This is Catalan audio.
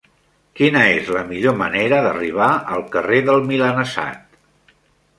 Quina és la millor manera d'arribar al carrer del Milanesat?